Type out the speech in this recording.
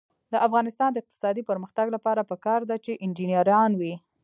د افغانستان د اقتصادي پرمختګ لپاره پکار ده چې انجنیران وي.